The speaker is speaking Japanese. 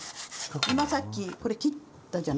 今さっきこれ切ったじゃないですか。